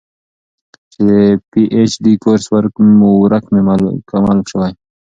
چې د پي اېچ ډي کورس ورک مې مکمل شوے